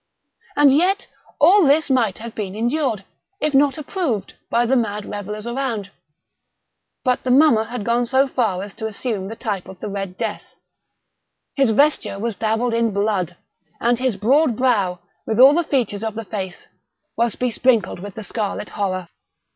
And yet all this might have been endured, if not approved, by the mad revellers around. But the mummer had gone so far as to assume the type of the Red Death. His vesture was dabbled in blood—and his broad brow, with all the features of the face, was besprinkled with the scarlet horror.